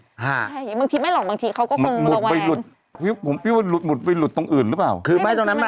ใช่บางทีไม่หรอกบางทีเขาก็คงระวัง